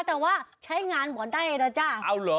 แต่ว่าใช้งานหมดได้นะจ้ะ